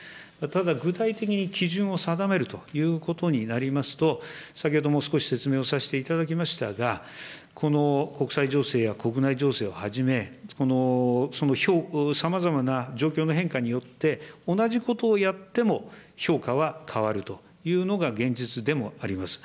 ただ、具体的に基準を定めるということになりますと、先ほども少し説明をさせていただきましたが、この国際情勢や国内情勢をはじめ、さまざまな状況の変化によって、同じことをやっても評価は変わるというのが現実でもあります。